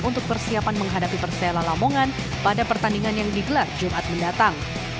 untuk persiapan menghadapi persela lamongan pada pertandingan yang digelar jumat mendatang